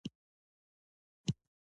دا ژورنال د علمي تبادلې فرصت برابروي.